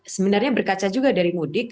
sebenarnya berkaca juga dari mudik